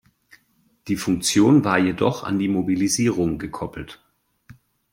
Die Funktion war jedoch an die Mobilisierung gekoppelt.